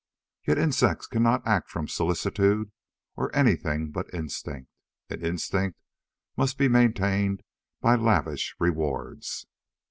Yet insects cannot act from solicitude or anything but instinct. And instinct must be maintained by lavish rewards.